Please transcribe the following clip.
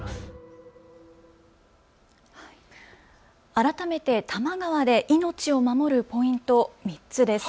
改めて多摩川で命を守るポイント、３つです。